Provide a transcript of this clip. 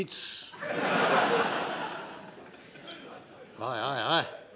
「おいおいおい！